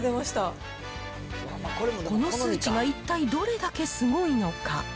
この数値が一体どれだけすごいのか。